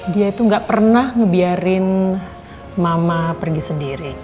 dia itu gak pernah ngebiarin mama pergi sendiri